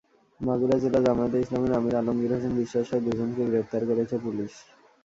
মাগুরা জেলা জামায়াতে ইসলামীর আমির আলমগীর হোসেন বিশ্বাসসহ দুজনকে গ্রেপ্তার করেছে পুলিশ।